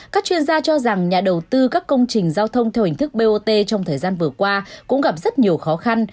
các chuyên gia cho rằng nhà đầu tư các công trình giao thông theo hình thức bot trong thời gian vừa qua cũng gặp rất nhiều khó khăn